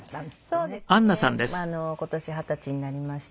そうですね。